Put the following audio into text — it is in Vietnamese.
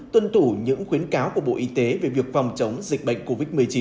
tuân thủ những khuyến cáo của bộ y tế về việc phòng chống dịch bệnh covid một mươi chín